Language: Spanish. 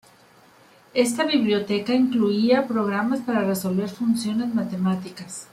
Esta biblioteca incluía programas para resolver funciones matemáticas.